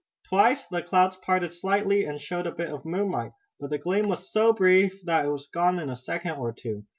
Twice the clouds parted slightly and showed a bit of moonlight, but the gleam was so brief that it was gone in a second or two.